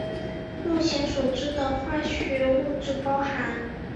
目前所知的化学物质包含。